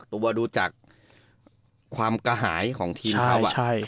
ตัวดูจากความกระหายของทีมเขา